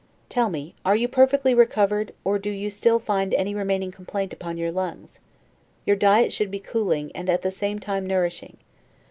Tell me, are you perfectly recovered, or do you still find any remaining complaint upon your lungs? Your diet should be cooling, and at the same time nourishing.